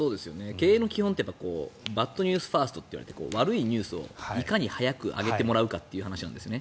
経営の基本ってバッドニュースファーストといわれていて悪いニュースをいかに早く上げてもらうかという話なんです。